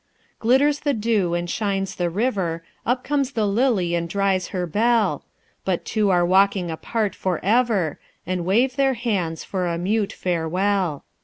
"Glitters the dew and shines the river, Up comes the lily and dries her bell; But two are walking apart forever, And wave their hands for a mute farewell.